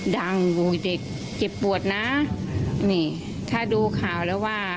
เด็กเจ็บปวดนะนี่ถ้าดูข่าวแล้วว่า